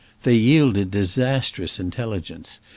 They yielded dis astrous intelligence.